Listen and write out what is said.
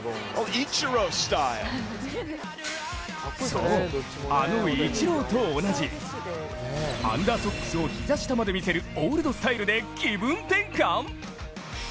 そう、あのイチローと同じアンダーソックスを膝下まで見せるオールドスタイルで気分転換！？